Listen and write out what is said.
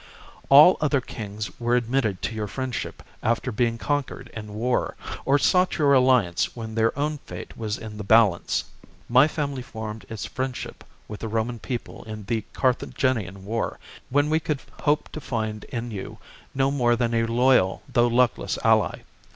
" All other kings were admitted to your friendship after being conquered in war, or sought your alliance when their own fate was in the balance. My family formed its friendship with the Roman people in the Carthaginian war, when we could hope to find in you no more than a loyal though luckless ally.